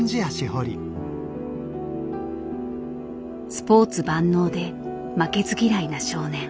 スポーツ万能で負けず嫌いな少年。